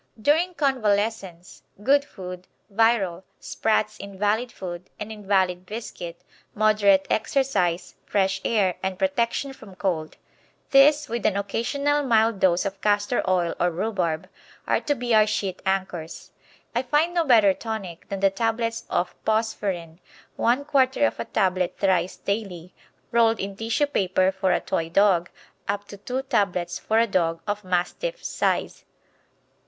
During convalescence good food, Virol, Spratts' invalid food and invalid biscuit, moderate exercise, fresh air, and protection from cold. These, with an occasional mild dose of castor oil or rhubarb, are to be our sheet anchors. I find no better tonic than the tablets of Phosferine. One quarter of a tablet thrice daily, rolled in tissue paper, for a Toy dog, up to two tablets for a dog of Mastiff size.